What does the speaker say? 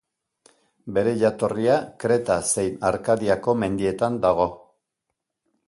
Bere jatorria Kreta zein Arkadiako mendietan dago.